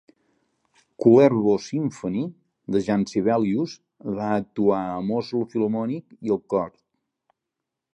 "Kullervo-symfoni" de Jean Sibelius va actuar amb Oslo Philomonic i el cor.